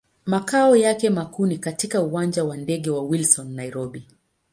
Makao yake makuu ni katika Uwanja wa ndege wa Wilson, Nairobi.